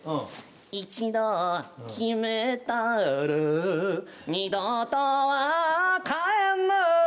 「一度決めたら二度とは変えぬ」